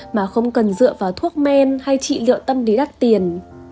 mà không cần dựa vào thuốc men hay trị liệu tâm lý đắt tiền